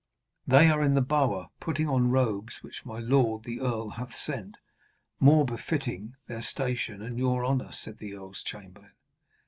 'They are in the bower putting on robes which my lord the earl hath sent, more befitting their station and your honour,' said the earl's chamberlain.